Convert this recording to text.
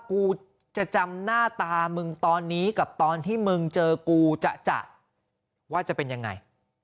กูจะจำหน้าตามึงตอนนี้กับตอนที่มึงเจอกูจะว่าจะเป็นยังไง